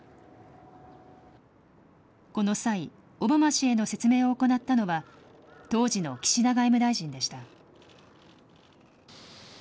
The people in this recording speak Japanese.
この際、オバマ氏への説明を行ったのは、当時の岸田外務大臣でした。